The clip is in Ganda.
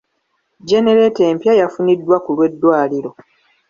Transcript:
Jjenereeta empya yafuniddwa ku lw'eddwaliro.